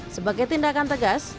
sebagai tindakan tegas